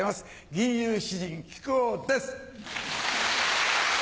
吟遊詩人木久扇です。